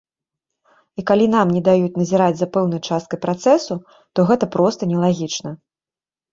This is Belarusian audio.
І калі нам не даюць назіраць за пэўнай часткай працэсу, то гэта проста нелагічна!